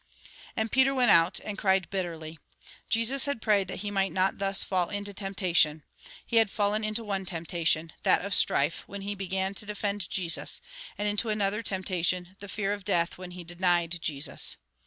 And Peter went out, and cried bitterly. Jesus had prayed that he might not thus fall into temptation. He had fallen into one temptation, that of strife, when he began to defend Jesus ; and into another temptation, the fear of death, when he denied Jesus.